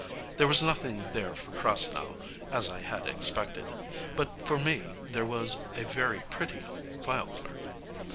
There was nothing there for Krasnow, as I had expected. But for me there was a very pretty file clerk.